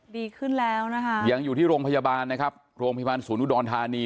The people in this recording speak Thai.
ดีขึ้นแล้วนะคะยังอยู่ที่โรงพยาบาลนะครับโรงพยาบาลศูนย์อุดรธานี